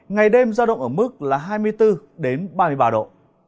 ngày đêm ra động ở mức là hai mươi bốn đến ba mươi ba độ